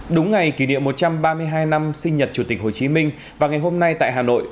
đúng ngày kỷ niệm một trăm ba mươi hai năm sinh nhật chủ tịch hồ chí minh và ngày hôm nay tại hà nội